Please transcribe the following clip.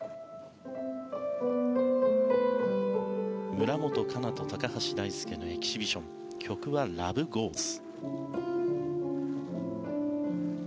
村元哉中と高橋大輔のエキシビション曲は「ＬｏｖｅＧｏｅｓ」。